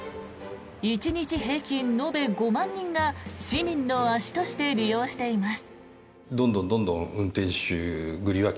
１日平均延べ５万人が市民の足として利用しています。